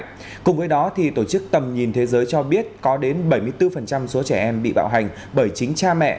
trong đó tổ chức tầm nhìn thế giới cho biết có đến bảy mươi bốn số trẻ em bị bạo hành bởi chính cha mẹ